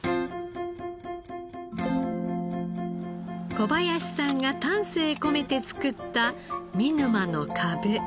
小林さんが丹精込めて作った見沼のかぶ。